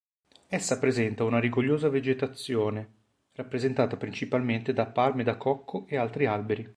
Essa presenta una rigogliosa vegetazione, rappresentata principalmente da palme da cocco ed altri alberi.